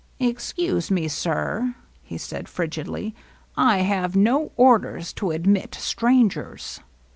^^ Excuse me, sir," he said frigidly, " I have no orders to admit strangers."